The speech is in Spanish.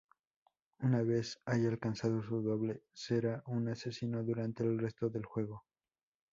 Una vez haya alcanzado su doble, será un "asesino" durante el resto del juego.